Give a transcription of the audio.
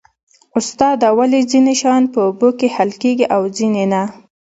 استاده ولې ځینې شیان په اوبو کې حل کیږي او ځینې نه